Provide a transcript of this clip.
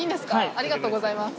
ありがとうございます。